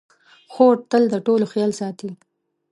خور تل د ټولو خیال ساتي.